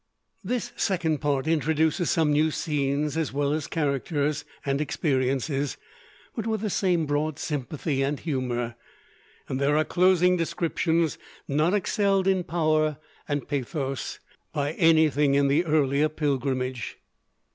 This second part introduces some new scenes, as well as characters and experiences, but with the same broad sympathy and humor; and there are closing descriptions not excelled in power and pathos by anything in the earlier pilgrimage.